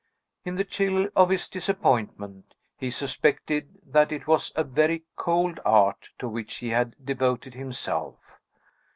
In the chili of his disappointment, he suspected that it was a very cold art to which he had devoted himself.